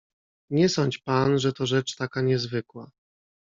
"Nie sądź pan, że to rzecz taka niezwykła."